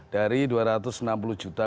dari dua ratus enam puluh juta